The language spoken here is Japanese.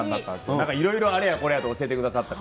なんかいろいろ、あれやこれや教えてくださって。